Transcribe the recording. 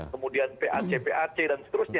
kemudian pac pac dan seterusnya